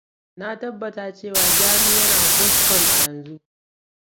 Na tabbata cewa Jami yana Boston a yanzu.